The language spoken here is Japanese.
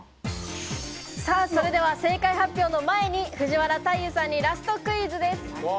それでは正解発表の前に藤原大祐さんにラストクイズです。